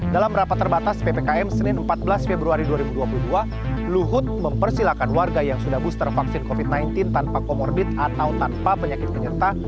dalam rapat terbatas ppkm senin empat belas februari dua ribu dua puluh dua luhut mempersilahkan warga yang sudah booster vaksin covid sembilan belas tanpa komorbit atau tanpa penyakit penyerta